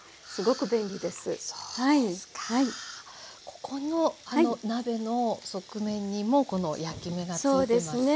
ここの鍋の側面にもこの焼き目がついてますね。